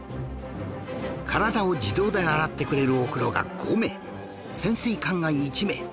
体を自動で洗ってくれるお風呂が５名潜水艦が１名